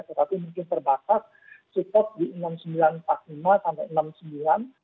tetapi mungkin terbatas support di enam puluh sembilan lima sampai enam puluh sembilan